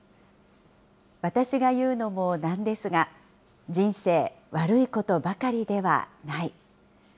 私が言うのも何ですが、人生悪いことばかりではない。